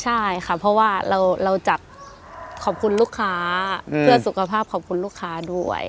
ใช่ค่ะเพราะว่าเราจัดขอบคุณลูกค้าเพื่อสุขภาพขอบคุณลูกค้าด้วย